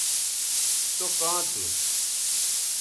سو کاں تھو